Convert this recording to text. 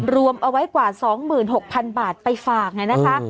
รวมเอาไว้กว่า๒๖๐๐๐บาทไปฝากเลยนะคะ